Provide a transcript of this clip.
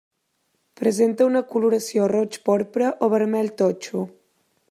Presenta una coloració roig porpra o vermell totxo.